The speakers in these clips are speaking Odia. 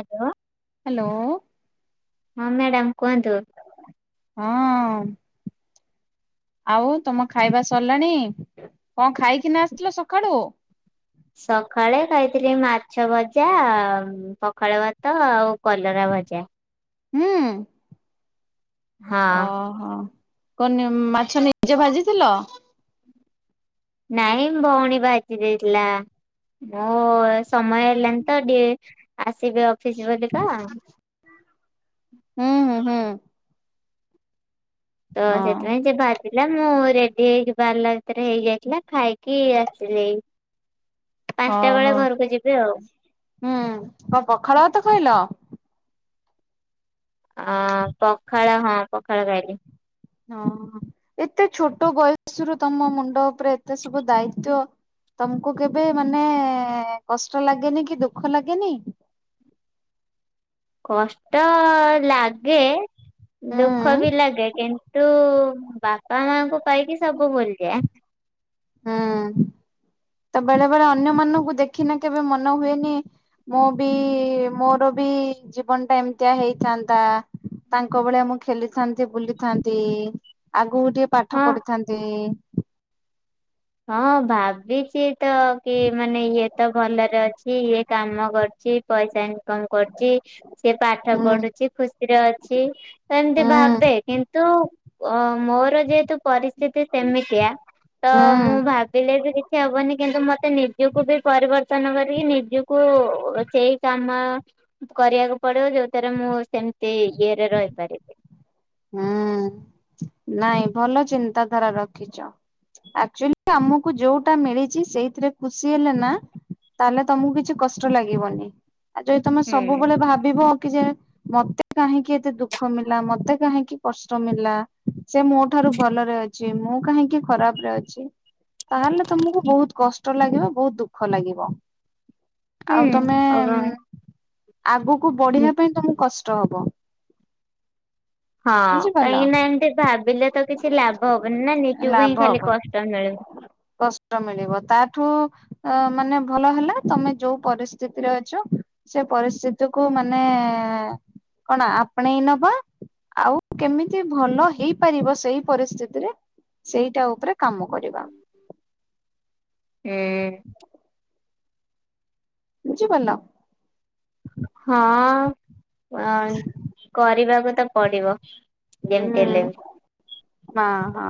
ହାଲୋ। ହାଲୋ। ହଁ, ମ୍ୟାଡ଼ାମ୍ କୁହନ୍ତୁ। ହଁ। ଆଉ ତୋମ ଖାଇବା ସରଲାଣି? କଣ ଖାଇକିନା ଆସିଥିଲ ସଖାଳୁ? ସଖାଳେ ଖାଇଥିଲି ମାଛ ଭଜା ଉଁ, ପଖାଳ ଭାତ, ଆଉ କଲରା ଭଜା। ମୁଁ। ହଁ ଓହୋ, କନ ଉଁ, ମାଛ ନିଜେ ଭାଜିଥିଲ? ନାଇଁ ଭଉଣୀ ଭାଜି ଦେଇଥିଲା। ମୋ ଏ ସମୟ ହେଲାନି ତ ଟିକେ ଆସିବେ ଅଫିସ୍ ବୋଲିକା। ଅଁ, ହଁ, ହଁ। ତ ହଁ ସେଥିପାଇଁ ସେ ଭା ଥିଲା ମୁଁ ରେଡି ହେଇକି ବାହାରିଲା ଭିତରେ ହେଇଯାଇଥିଲା। ଖାଇକି ଆସିଲି ଏଇ। ପାନ୍ସଟା ବେଳେ ଓହୋ ଘରକୁ ଯିବି ଆଉ। କଣ ପଖାଳ ଭାତ ଖାଇଲ? ଅ, ପଖାଳ ହଁ, ପଖାଳ ଖାଇଲି। ହଁ, ଏତେ ଛୋଟ ବୟସରୁ ତୋମ ମୁଣ୍ଡ ଉପରେ ଏତେ ସବୁ ଦାୟିତ୍ଵ। ତୋମକୁ କେବେ ମାନେ କଷ୍ଟ ଲାଗେନି କି ଦୁଃଖ ଲାଗେନି? କଷ୍ ଟ ଲାଗେ। ଦୁଃଖ ହୁଁ ବି ଲାଗେ। କିନ୍ତୁ, ବା ପା, ମାଙ୍କୁ ପାଇକି ସବୁ ଭୁଲିଯା। ଆ, ହଁ, ତ ବେଳେବେଳେ ଅନ୍ୟ ମାନଙ୍କୁ ଦେଖିନେ କେବେ ମନ ହୁଏନି ମୋ ବି, ମୋର ବି ଜୀବନ ଟା ଏମିତିଆ ହେଇଥାନ୍ତା। ତାଙ୍କ ଭଳିଆ ମୁଁ ଖେଲିଥାନ୍ତି, ବୁଲିଥାନ୍ତି। ଆଗକୁ ଟିକେ ପାଠ ହଁ ପଢିଥାନ୍ତି। ହଁ ଭାବିଛି ତ କି ମାନେ ଇଏ ତ ଭଲରେ ଅଛି। ଇଏ କାମ କରୁଛି। ପଇସା ଇନକମ କରୁଛି। ସେ ପାଠ ହୁଁ ପଢୁଛି। ଖୁସ ସିରେ ଅଛି, ଏମତି ହୁଁ ଭାବେ। କିନ୍ତୁ ଅ, ମୋର ଯେହେତୁ ପରିସ୍ଥିତି ସେମିତିଆ, ତ ହୁଁ। ମୁଁ ଭାବିଲେ ବି କିଛି ହବନି। କିନ୍ତୁ, ମୋ ତେ ନିଜକୁ ବି ପରିବର୍ତ୍ତନ କରିକି ନିଜକୁ ସେଇ କାମ କରିବାକୁ ପଡିବ। ଯୋଉଥିରେ ମୁଁ ସେମିତି ଇଏରେ ରହିପାରିବି। ହଁ ନାଇଁ ଭଲ ଚିନ୍ତାଧାରା ରଖିଚ। ଆକ୍ଚୁଲି ଆମକୁ ଯୋଉଟା ମିଳିଚି ସେଇଥିରେ ଖୁସି ହେଲେ ନା ତାହେଲେ ତୋମକୁ କିଛି କଷ୍ଟ ଲାଗିବନି। ଆ, ଯଦି ତୋମେ ହୁଁ। ସବୁବେଳେ ଭାବିବ କି ଯେ ମୋତେ କାହିଁକି ଏତେ ଦୁଃଖ ମିଳଲା। ମୋତେ କାହିଁକି କଷ୍ଟ ମିଳିଲା। ସେ ମୋ ଠାରୁ ଭଲରେ ଅଛି। ମୁଁ କାହିଁକି ଖରାପ ରେ ଅଛି? ତାହେଲେ ତମକୁ ବହୁତ କଷ୍ଟ ଲାଗିବ, ବହୁତ ଦୁଃଖ ଲାଗିବ। ଆଉ ହୁଁ ତମେ ଅଗ ଆଗକୁ ବଢିବା ପାଇଁ ତମକୁ କଷ୍ଟ ହବ। ହଁ, ବୁଝିପାରିଲ କାହିଁକି ନା ଏମତି ଭାବିଲେ ତ କିଛି ଲାଭ ହବନି ନା। ନିଜକୁ ହିଁ ଖାଲି କଷ୍ଟ ମିଳୁ। ଟ ମିଳିବ। ତାଠୁ ଅଁ ମାନେ ଭଲ ହେଲା ତମେ ଯୋଉ ପରିସ୍ଥିତିରେ ଅଛ ସେ ପରିସ୍ଥିତିକୁୁ ମାନେ କଣ ଆପଣେଇ ନବ? ଆଉ କେମିତି ଭଲ ହେଇପାରିବ ସେଇ ପରିସ୍ଥିତିରେ ସେଇଟା ଉପରେ କାମ କରିବା। ହୁଁ। ବୁଝିପାରିଲ? ହଁ ଅଁ କରିବାକୁ ତ ପଡିବ? ଯେମିତି ହୁଁ ହେଲେ ବି। ହଁ ହଁ।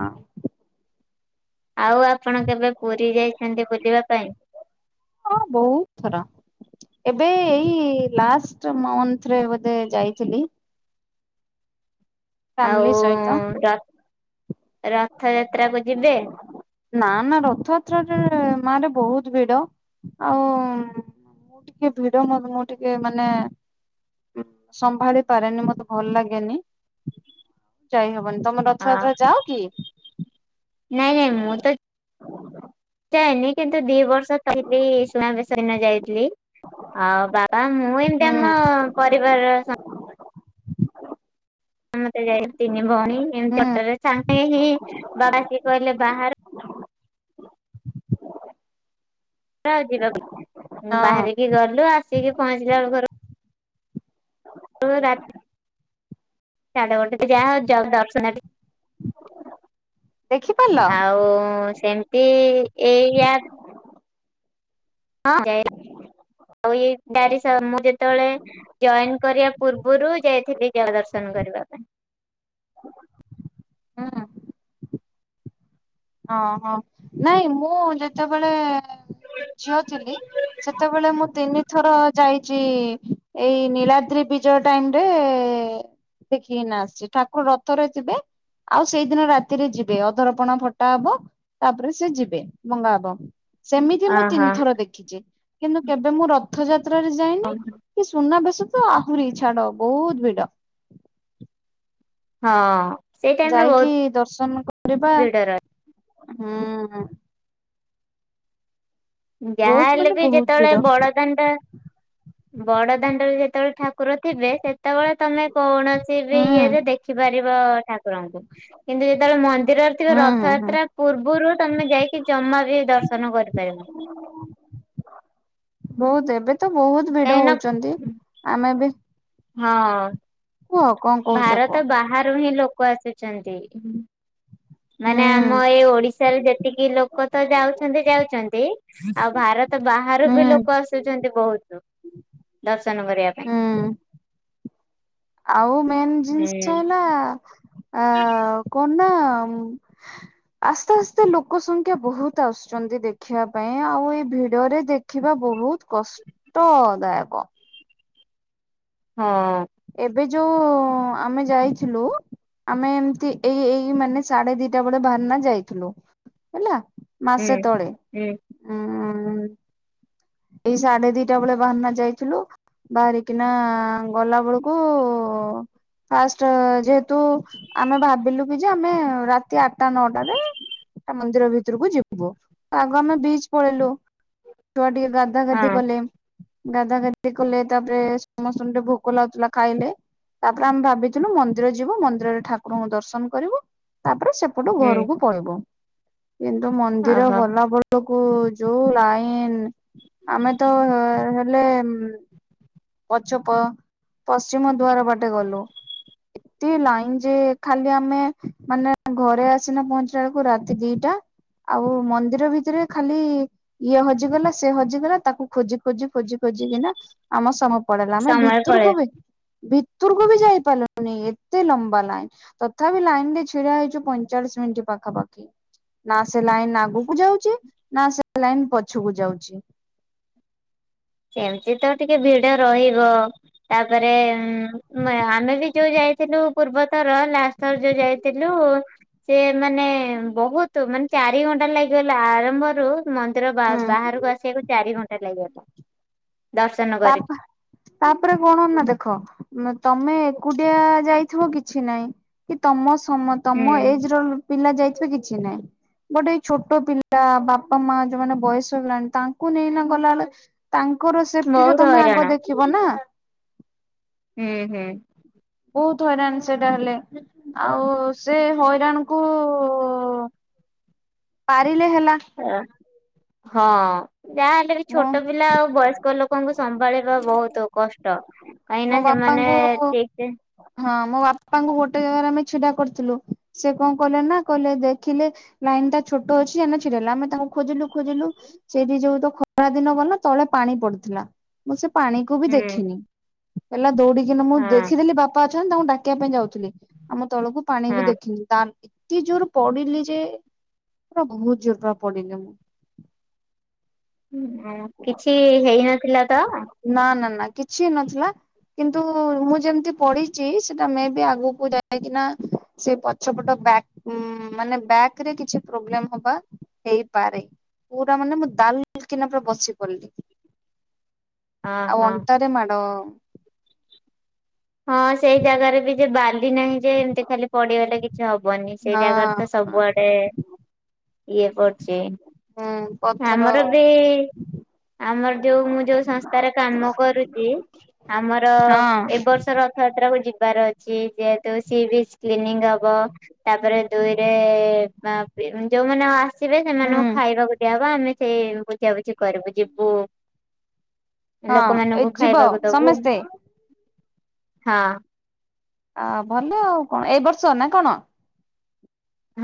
ଆଉ ଆପଣ କେବେ ପୁରୀ ଯାଇଛନ୍ତି ବୁଲିବା ପାଇଁ? ହଁ ବହୁତ ଥର। ଏବେ ଏଇ ଲାଷ୍ଟ ମନ୍ଥରେ ବୋଧେ ଯାଇଥିଲି? ଆଉ ଫ୍ୟାମିଲି ସହିତ। ର ରଥଯାତ୍ରାକୁ ଯିବେ? ନାଁ ନାଁ ରଥଯାତ୍ରାଟାରେ ମାନେ ବହୁତ ଭିଡ। ଆଉ ମୁଁ ଟିକେ ଭିଡ [unintelligible] ମୁଁ ଟିକେ ମାନେ? ହୁଁ ସମ୍ଭାଳି ପାରେନି ମତେ ଭଲ ଲାଗେନି ଯାଇହବନି। ତମ ରଥଯାତ୍ରା ହଁ ଯାଅ କି? ନାଇଁ ନାଇଁ ମୁଁ ତ ଯାଏନି? କିନ୍ତୁ ଦି ବର୍ଷ କହିଲି ସୁନାବେଶ ଦିନ ଯାଇଥିଲି। ଆଉ ବାବା ମୁଁ ଏମତି ହୁଁ ଆମ ପରିବାର ସ ମତେ ଯାଇ ତିନି ଭଉଣୀ ଏମତି ହୁଁ ତଟରେ ସାଙ୍ଗ ହେଇ ହେଇ ବା ଆସି କହିଲେ ବାହାର। ର ଯିବାକୁ ହଁ ଉଁ ବାହାରିକି ଗଲୁ ଆସିକି ପହଞ୍ଚିଲା ବେଳକୁ ଘରୁ ରୁ ରା ସାଢେ ଗୋଟେ ଯାହାହୋଉ [unintelligible] ଦେଖିପାରିଲ? ଆଉ ସେମିତି ଏଇୟା। ହଁ [unintelligible] [inaudible] ର ମୁଁ ଯେତେବେଳେ ଜଏନ କରିବା ପୂର୍ବରୁ ଯାଇଥିଲି ଜଳ ଦର୍ଶନ କରିବା ପାଇଁ। ହୁଁ। ଅଁ ହଁ ନାଇଁ ମୁଁ ଯେତେବେଳେ ଝିଅ ଥିଲି। ସେତେବେଳେ ମୁଁ ତିନିଥର ଯାଇଚି। ଏଇ ନୀଳାଦ୍ରି ବି ଟାଇମରେ ଦେଖିକିନା ଆସିଚି ଠାକୁର ରଥରେ ଯିବେ? ଆଉ ସେଇଦିନ ରାତିରେ ଯିବେ ଅଧରପଣା ଫ ଟା ହବ ତାପରେ ସେ ଯିବେ ଭଙ୍ଗା ହବ। ସେମିତି ମୁଁ ତିନି ଓହୋ। ଥର ଦେ ଖିଚି କିନ୍ତୁ କେବେ ମୁଁ ରଥଯାତ୍ରାରେ ଯାଇନି। କି ସୁନା ବେଶ ତ ଆହୁରି ଛାଡ ବହୁତ ଭିଡ। ହଁ। ସେଇ ଟାଇମ ରେ ଯାଇକି ବହୁତ ଦର୍ଶନ କରିବା ଭିଡ ହୁଁ। ବହୁତ ଯାହାହେଲେ ମାନେ ବି ବହୁତ ଯେତେବେଳେ ଭିଡ ବଡ ଦାଣ୍ଡ ବଡ ଦାଣ୍ଡରେ ଯେତେବେଳେ ଠାକୁର ଥିବେ। ସେତେବେଳେ ତମେ କୌଣସି ବି ହୁଁ ଇଏରେ ଦେଖିପାରିବ ଠାକୁରଙ୍କୁ। କିନ୍ତୁ ଯେତେବେଳେ ମନ୍ଦିରରେ ଥିବ ହୁଁ ହୁଁ ହୁଁ ରଥଯାତ୍ରା ପୂର୍ବରୁ ତମେ ଯାଇକି ଜମା ବି ଦର୍ଶନ କରିପାରିବନି। ବହୁତ ଏବେ ତ ବହୁତ ଭିଡ କାହିଁକି ନା ହଉଛନ୍ତି। ଆମେ ବି ହଁ କୁହ କଣ କହୁଛ କୁହ ଭାରତ ବାହାରୁ ହିଁ ଲୋକ ଆସୁଛନ୍ତି। ହୁଁ ମାନେ ଆମ ଏଇ ଓଡିଶାରେ ଯେତିକି ଲୋକ ତ ଯାଉଛନ୍ତି ଯାଉଛନ୍ତି। ଆଉ ଭାରତ ବାହାରୁ ହୁଁ ବି ଲୋକ ଆସୁଛନ୍ତି ବହୁତ। ଦର୍ଶନ କରିବା ପାଇଁ। ହୁଁ। ଆଉ ମେନ୍ ଜିନିଷ ହୁଁ ହେଲା। ଆ କଣ ନା ଆସ୍ତେ ଆସ୍ତେ ଲୋକ ସଂଖ୍ୟା ବହୁତ ଆସୁଛନ୍ତି ଦେଖିବା ପାଇଁ ଆଉ ଏଇ ଭିଡରେ ଦେ ଦେଖିବା ବହୁତ କଷ୍ଟଦାୟକ। ହଁ। ଏବେ ଯୋଉ ଆମେ ଯାଇଥିଲୁ ଆମେ ଏମତି ଏଇ ଏଇ ମାନେ ସାଢେ ଦିଟା ବେଳେ ଭାରନା ଯାଇଥିଲୁ, ହେଲା। ହୁଁ ମାସେ ତଳେ, ହୁଁ ଉଁ ଏଇ ସାଢେ ଦିଟା ବେଳେ ବାହାରିନା ଯାଇଥିଲୁ। ବାହାରିକିନା ଗଲା ବେଳକୁ ଫାଷ୍ଟ ଯେହେତୁ ଆମେ ଭାବିଲୁ କି ଯେ ଆମେ ରାତି ଆଠଟା ନଅଟାରେ ତା ମନ୍ଦିର ଭିତରକୁ ଯିବୁ ଆଗ ଆମେ ବିଚ ପଳେଇଲୁ ଛୁଆ ଟି ଗାଧା ହଁ ଗାଧି କଲେ ଗାଧା ଗାଧି କଲେ ତାପରେ ସମସ୍ତଙ୍କୁ ଟେ ଭୋକ ଲାଗୁଥିଲା ଖାଇଲେ ତାପରେ ଆମେ ଭାବିଥିଲୁ ମନ୍ଦିର ଯିବୁ ମନ୍ଦିରରେ ଠାକୁରଙ୍କୁ ଦର୍ଶନ କରିବୁ ତାପରେ ସେ ପଟୁ ହୁଁ ଘରକୁ ପଳେଇବୁ କିନ୍ତୁ ମନ୍ଦିର ଓହୋ। ଗଲାବେଳେ କୁ ଯୋଉ ଲାଇନ ଆମେ ତ ହେଲେ ପଛପ ପଶ୍ଚିମ ଦ୍ୱାର ବାଟେ ଗଲୁ। ଏତେ ଲାଇନ ଯେ ଖାଲି ଆମେ ମାନେ ଘରେ ଆସିନା ପହଞ୍ଚିଲା ବେଳକୁ ରାତି ଦିଟା। ଆଉ ମନ୍ଦିର ଭିତରେ ଖାଲି ଇଏ ହଜିଗଲା ସେ ହଜିଗଲା ତାକୁ ଖୋଜି ଖୋଜି ଖୋଜି ଖୋଜିିକିନା ଆମ ସମୟ ପଳେଇଲା ଆମେ ସମୟ ପଳେଇ ଭିତରକୁ ବି ଭିତରକୁ ବି ଯାଇପାରିଲୁନି ଏତେ ଲମ୍ବା ଲାଇନ। ତଥାପି ଲାଇନ ରେ ଛିଡା ହେଇଚୁ ପଇଁଚାଳିଶ ମିନିଟ୍ ପାଖାପାଖି। ନା ସେ ଲାଇନ ଆଗକୁ ଯାଉଛି ନା ସେ ଲାଇନ ପଛକୁ ଯାଉଛି। ସେମିତି ତ ଟିକେ ଭିଡ ରହିବ ତାପରେ ଆମେ ବି ଯୋଉ ଯାଇ ଥିଲୁ ପୂର୍ବତର ଲାଷ୍ଟଥର ଯୋଉ ଯାଇଥିଲୁ ସେ ମାନେ ବହୁତ ମାନେ ଚାରି ଘଣ୍ଟା ଲାଗିଗଲା ଆରମ୍ଭରୁ ମନ୍ଦିର ବା ହୁଁ ବାହାରକୁ ଆସିବାକୁ ଚାରି ଘଣ୍ଟା ଲାଗିଗଲା। ଦର୍ଶନ ପାପ କରିକି। ତାପରେ କଣ ନା ଦେଖ ତମେ ଏକୁଟିଆ ଯାଇଥିବ କିଛି ନାଇଁ। କି ତମ ସମ ତମ ହୁଁ। ଏଜ ର ପିଲା ଯାଇଥିବେ କିଛି ନାହିଁ। ଗୋଟେ ଛୋଟ ପିଲା ବାପା ମା ଯୋଉମାନେ ବୟସ ହେଲାଣି ତାଙ୍କୁ ନେଇନା ଗଲାବେଳେ ତାଙ୍କର ସେଫଟିରେ ବହୁତ ତମେ ହଇରାଣ। ଆଗ ଦେଖିବ ନା। ହୁଁ ହୁଁ। ବହୁତ ହଇରାଣ ସେଟା ହେଲେ। ଆଉ ସେ ହଇରାଣ କୁ ପାରିଲେ ହେଲା। ହଁ। ଯାହାହେଲେ ବି ମୋ ଛୋଟ ପିଲା ଆଉ ବୟସ୍କ ଲୋକଙ୍କୁ ସମ୍ଭାଳିବା ବହୁତ କଷ୍ଟ। କାହିଁ ନା ମୋ ସେମାନେ ବାପାଙ୍କୁ ଠିକ ସେ ହଁ ମୋ ବାପାଙ୍କୁ ଗୋଟେ ଜାଗାରେ ଆମେ ଛିଡା କରିଥିଲୁ ସେ କଣ କହିଲେ ନା କହିଲେ ଦେଖିଲେ ଲାଇନ ଟା ଛୋଟ ଅଛି [unintelligible] ହେଲା ଆମେ ତାଙ୍କୁ ଖୋଜିଲୁ ଖୋଜିଲୁ ସେ ବି ଯୋଉ ତ ଖ ଖରା ଦିନ ମାନେ ତଳେ ପାଣି ପଡିଥିଲା ମୁଁ ସେ ପାଣିକୁ ବି ହୁଁ ଦେଖିନି। ହେଲା ଦୌଡିକିନା ମୁଁ ହଁ ଦେଖିଦେଲି ବାପା ଅଛନ୍ତି ତାଙ୍କୁ ଡାକିବା ପାଇଁ ଯାଉଥିଲି। ଆମ ତଳକୁ ପାଣି ହଁ। ବି ଦେଖିଲି ତା ଏତେ ଜୋର ପଡିଲି ଯେ ପା ବହୁତ ଜୋର ପୁରା ପଡିଲି ମୁଁ। କିଛି ହେଇନଥିଲା ତ? ନା ନା ନା କିଛି ହେଇନଥିଲା କିନ୍ତୁ ମୁଁ ଯେମିତି ପଡିଛି ସେଟା ମେଁବି ଆଗକୁ ଯାଇକିନା ସେ ପଛପଟ ବ୍ୟାକ୍ ଉଁ ମାନେ ବ୍ୟାକ ରେ କିଛି ପ୍ରୋବ୍ଲେମ ହବା ହେଇପାରେ। ପୁରା ମାନେ ମୁଁ ଦାଲ୍ କିନା ପୁରା ବସି ପଡିଲି। ଆଉ ଅହୋ। ଅଣ୍ଟାରେ ମାଡ଼ ହଁ ସେଇ ଜାଗାରେ ବି ଯେ ବାଲି ନାହିଁ ଯେ ଏମିତି ଖାଲି ପଡିଗଲେ କିଛି ହବନି ସେଇ ଜାଗାରେ ତ ହଁ ସବୁଆଡେ ଇଏ କରୁଛି। ହୁଁ ପଥର ଆମର ବି ଆମର ଯୋଉ ମୁଁ ଯୋଉ ସଂସ୍ଥାରେ କାମ କରୁଛି ଆମର ଏ ହଁ ବର୍ଷ ରଥଯାତ୍ରା କୁ ଯିବାର ଅଛି ଯେ ତ ସି ବି କ୍ଲିନିକ ହବ ତାପରେ ଦୁଇରେ ଯୋଉମାନେ ଆସିବେ ସେମାନଙ୍କୁ ହୁଁ ଖାଇବାକୁ ଦିଆବ ଆମେ ସେଇ ବୁଝାବୁଝି କରିବୁ ଯିବୁ। ହଁ ଏ ଲୋକମାନଙ୍କୁ ଯିବ ଖାଇବାକୁ ଦବୁ। ସମସ୍ତେ ହଁ ଆ ଭଲ ଆଉ କଣ ଏଇ ବର୍ଷ ନା କଣ?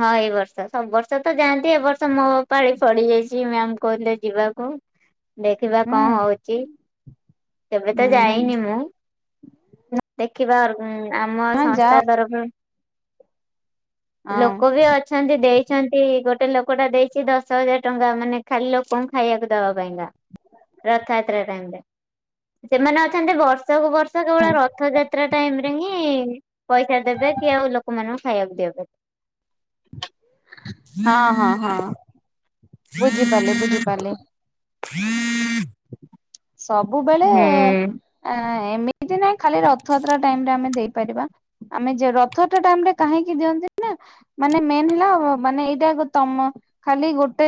ହଁ ଏ ବର୍ଷ ସବୁ ବର୍ଷ ତ ଯାଆନ୍ତି ଏ ବର୍ଷ ମୋ ପାଳି ଫଡି ଯାଇଛି ମ୍ୟାମ କହୁଥିଲେ ଯିବାକୁ। ଦେଖିବା ହୁଁ କଣ ହଉଛି କେବେ ତ ହୁଁ ଯାଇନି ମୁଁ। ଦେଖିବା ଆମ ହଁ ଶସ୍ତା ଯାଅ ତରଫରୁ ହଁ ଲୋକ ବି ଅ ଅଛନ୍ତି ଦେଇଛନ୍ତି ଗୋଟେ ଲୋକ ଟା ଦେଇଛି ଦଶ ହଜାର ଟଙ୍କା ମାନେ ଖାଲି ଲୋକଙ୍କୁ ଖାଇବାକୁ ଦବା ପାଇଁକା। ରଥଯାତ୍ରା ଟାଇମ ରେ ସେମାନେ ଅଛନ୍ତି ବର୍ଷ ବର୍ଷକୁ ବର୍ଷ କେବଳ ରଥଯାତ୍ରା ଟାଇମ ରେ ହିଁ ପଇସା ଦେବେ କି ଆଉ ଲୋକମାନ ଖାଇବାକୁ ଦେବାକୁ। ହଁ ହଁ ହଁ ବୁଝିପାରିଲେ ବୁଝିପାରିଲେ। ହଁ ସବୁବେଳେ ଆ ଏମିତି ନାଇଁ ଖାଲି ରଥଯାତ୍ରା ଟାଇମରେ ଆମେ ଦେଇପାରିବା। ଆମେ ଯ ରଥ ଟା ଟାଇମରେ କାହିଁକି ଦିଅନ୍ତି ନା? ମାନେ ମେନ୍ ହେଲା ମାନେ ଏଇଟା ତମ ଖାଲି ଗୋଟେ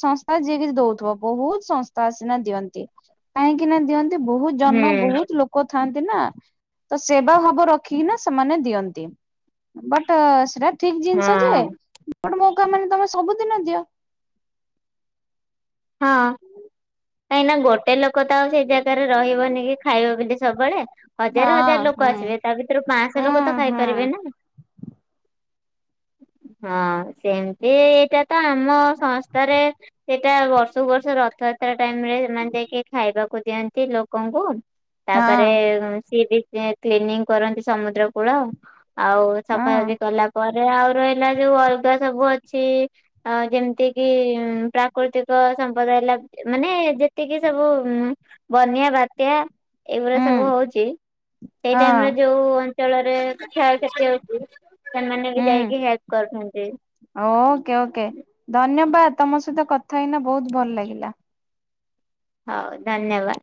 ସଂସ୍ଥା ଯିଏ କିଛି ଦଉଥିବ ବହୁତ ସଂସ୍ଥା ସିନା ଦିଅନ୍ତି କାହିଁକି ନା ଦିଅନ୍ତି ବହୁତ ଜନ ହୁଁ ବହୁତ ଲୋକ ଲୋକଥାନ୍ତି ନା ତ ସେବା ଭାବ ରଖିକି ନା ସେମାନେ ଦିଅନ୍ତି। ବଟ ସେଟା ଠିକ ହଁ ଜିନିଷ ଯେ ବଟ ମୌକା ମାନେ ତମେ ସବୁଦିନ ଦିଅ? ହଁ। କାହିଁକି ନା ଗୋଟେ ଲୋକ ତ ଆଉ ସେଇ ଜାଗାରେ ରହିବନି କି ଖାଇବ ବୋଲିିି ସବୁବେଳେ। ହଁ ହଜାର ହଜାର ଲୋକ ହୁଁ ଆସିବେ ତା ଭିତରୁ ପାଞ୍ଚଶହ ହୁଁ ଲୋକ ତ ହୁଁ ଖାଇପାରିବେ ନା। ହଁ ସେମିତି ଏଇଟା ତ ଆମ ସଂସ୍ଥାରେ ସେଇଟା ବର୍ଷ ସବୁ ବର୍ଷ ରଥଯାତ୍ରା ଟାଇମ ରେ ସେମାନେ ଯାଇକି ଖାଇବାକୁ ଦିଅନ୍ତି ଲୋକଙ୍କୁ। ହଁ ତାପରେ ସିଏ ବି କ୍ଲିନିଂ କରନ୍ତି ସମୁଦ୍ର କୂଳ। ଆଉ ହଁ ସଫାସଫି କଲା ପରେ ରେ ଆଉ ରହିଲା ଯୋଉ ଅଲଗା ସବୁ ଅଛି ଆ ଯେମିତି କିି ପ୍ରାକୃତିକ ସମ୍ପଦାୟ ହେଲା ମାନେ ଯେତିକି ସବୁ ବନ୍ୟା ବାତ୍ୟା ଏଇଭଳିଆ ହୁଁ ସବୁ ହଉଛି ସେଇ ହଁ ଟାଇମରେ ଯୋଉ ଅଞ୍ଚଳରେ କ୍ଷୟକ୍ଷତି ହଉଛି ସେମାନେ ବି ହୁଁ। ଯାଇକି ହେଲ୍ପ କରୁଥାନ୍ତି। ଓକେ ଓକେ ଧନ୍ୟବାଦ ତମ ସହିତ କଥା ହେଇନା ବହୁତ ଭଲ ଲାଗିଲା। ହଉ ଧନ୍ୟବାଦ।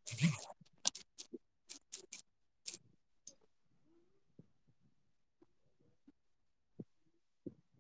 ହ